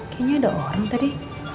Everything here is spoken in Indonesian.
kayaknya ada orang tadi